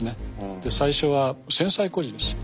で最初は戦災孤児です。